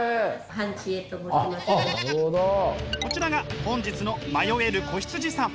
こちらが本日の迷える子羊さん！